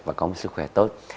và có một sức khỏe tốt